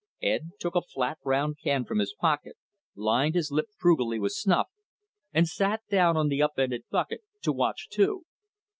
Ed took a flat round can from his pocket, lined his lip frugally with snuff, and sat down on the up ended bucket to watch too.